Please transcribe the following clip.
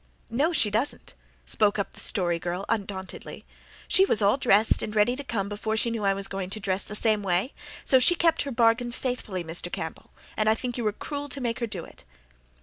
"No, she doesn't," spoke up the Story Girl undauntedly. "She was all dressed and ready to come before she knew I was going to dress the same way. So she kept her bargain faithfully, Mr. Campbell, and I think you were cruel to make her do it."